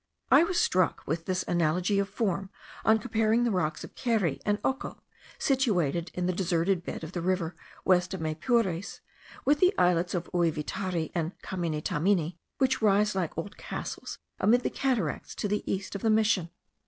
I was struck with this analogy of form, on comparing the rocks of Keri and Oco, situated in the deserted bed of the river, west of Maypures, with the islets of Ouivitari and Caminitamini, which rise like old castles amid the cataracts to the east of the mission.